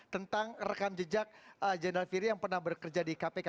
tentang rekam jejak general firi yang pernah bekerja di kpk